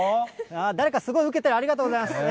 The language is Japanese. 誰かすごいうけてる、ありがとうございます。